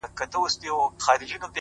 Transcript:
نسه نه وو نېمچه وو ستا د درد په درد”